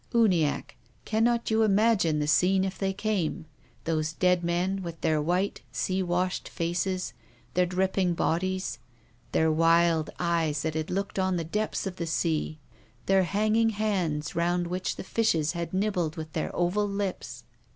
Uniacke, can not you imagine the scene if they came ? Those dead men, with their white, sea washed faces, their dripping bodies, their wild eyes that had looked on the depths of the sea, their hanging hands round which the fishes had nibbled with their oval lips